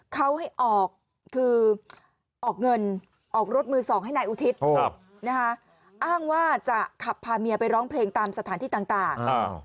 เขาให้ออกคือออกเงินออกรถมือสองให้นายอุทิศอ้างว่าจะขับพาเมียไปร้องเพลงตามสถานที่ต่าง